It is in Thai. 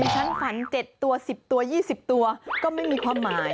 ฉันฝัน๗ตัว๑๐ตัว๒๐ตัวก็ไม่มีความหมาย